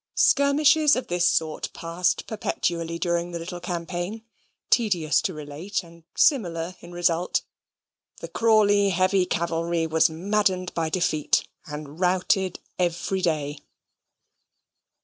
Skirmishes of this sort passed perpetually during the little campaign tedious to relate, and similar in result. The Crawley heavy cavalry was maddened by defeat, and routed every day.